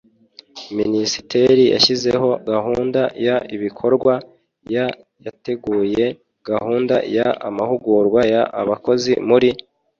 minisiteri yashyizeho gahunda y ibikorwa ya yateguye gahunda y amahugurwa y abakozi muri